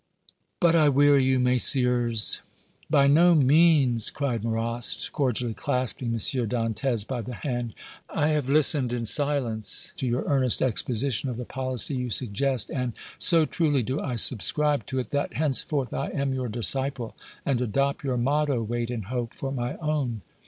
But I weary you, Messieurs." "By no means," cried Marrast, cordially clasping M. Dantès by the hand. "I have listened in silence to your earnest exposition of the policy you suggest, and so truly do I subscribe to it that, henceforth, I am your disciple and adopt your motto, 'Wait and hope' for my own.